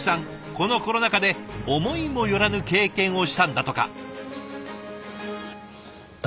このコロナ禍で思いもよらぬ経験をしたんだとか。